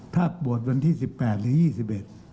ถ้าโหวตวันที่๑๘หรือ๒๑